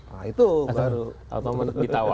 nah itu baru